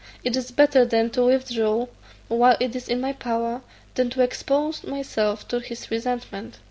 It is better then to withdraw while it is in my power, than to expose myself to his resentment."